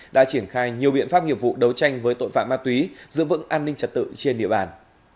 đã triển khai nhiều biện pháp nghiệp vụ đấu tranh với tội phạm ma túy giữ vững an ninh trật tự trên địa bàn